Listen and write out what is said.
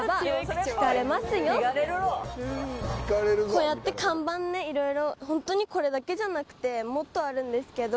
こうやって看板ねいろいろホントにこれだけじゃなくてもっとあるんですけど。